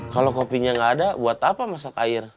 kalau kopinya nggak ada buat apa masak air